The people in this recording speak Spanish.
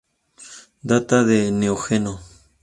Data del Neógeno.